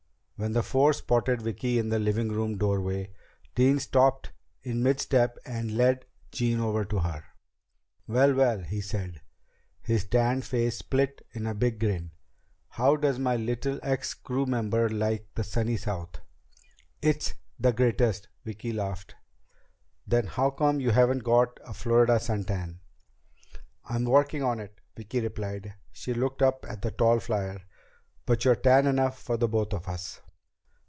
When the four spotted Vicki in the living room doorway, Dean stopped in mid step and led Jean over to her. "Well, well," he said. His tanned face split in a big grin. "How does my little ex crew member like the sunny South?" "It's the greatest." Vicki laughed. "Then how come you haven't got a Florida sun tan?" "I'm working on it," Vicki replied. She looked up at the tall flier. "But you're tan enough for both of us."